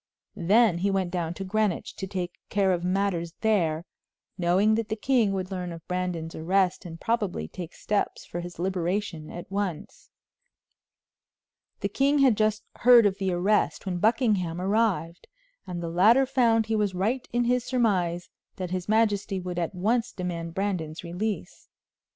Then he went down to Greenwich to take care of matters there, knowing that the king would learn of Brandon's arrest and probably take steps for his liberation at once. The king had just heard of the arrest when Buckingham arrived, and the latter found he was right in his surmise that his majesty would at once demand Brandon's release.